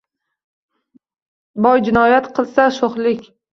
Boy jinoyat qilsa-“sho’xlik”.